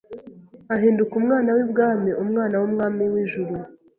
Ahinduka umwana w’ibwami, Umwana w’Umwami w’ijuru,